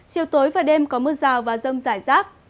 chiều tối và đêm có mưa rào và rông rải rác